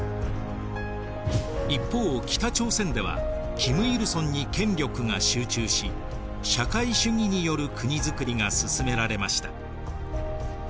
一方北朝鮮では金日成に権力が集中し社会主義による国づくりが進められました。